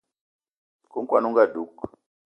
Nku kwan on ga dug